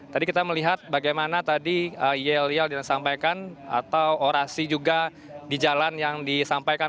tadi kita melihat bagaimana tadi yelial disampaikan atau orasi juga di jalan yang disampaikan